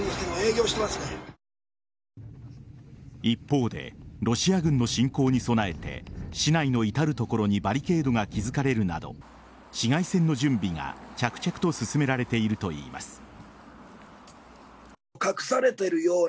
一方でロシア軍の侵攻に備えて市内の至る所にバリケードが築かれるなど市街戦の準備が着々と進められているといいます。